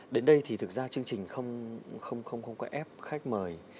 đến đây thì thực ra chương trình không có ép khách mời